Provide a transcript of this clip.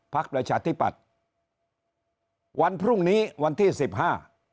ประชาธิปัตย์วันพรุ่งนี้วันที่สิบห้า